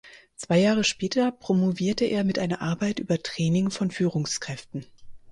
Zwei Jahre später promovierte er mit einer Arbeit über Training von Führungskräften.